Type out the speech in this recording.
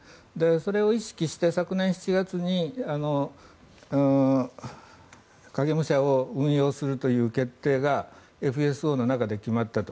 それを意識して、昨年７月に影武者を運用するという決定がＦＳＯの中で決まったと。